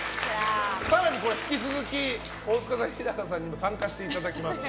更に引き続き大塚さん、日高さんにも参加していただきます。